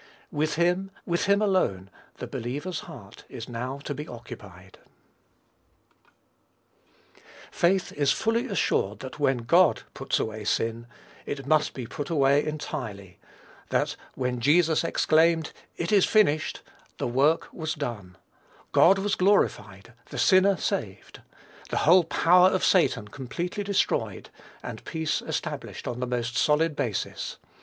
With him, with him alone, the believer's heart is now to be occupied. Faith is fully assured that when God puts away sin, it must be put away entirely; that, when Jesus exclaimed, "IT IS FINISHED," the work was done, God was glorified, the sinner saved, the whole power of Satan completely destroyed, and peace established on the most solid basis.